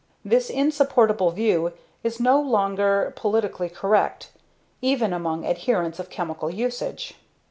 This insupportable view is no longer politically correct even among adherents of chemical usage.